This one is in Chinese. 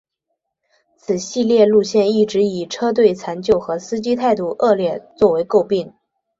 此系列路线一直以车队残旧和司机态度恶劣作为垢病。